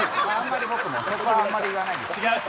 そこはあんまり言わないで。